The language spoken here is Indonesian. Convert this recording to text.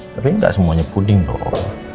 tapi gak semuanya puding loh